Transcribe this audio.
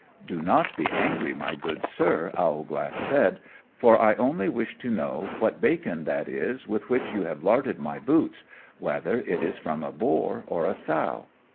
"Do not be angry, my good Sir," Owlglass said, "for I only wish to know what bacon that is with which you have larded my boots; whether it is from a boar or a sow?"